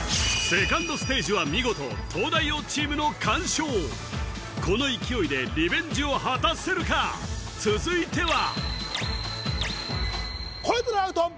セカンドステージは見事東大王チームの完勝この勢いでリベンジを果たせるか続いては超えたらアウト！